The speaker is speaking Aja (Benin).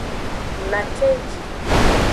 Na cenji.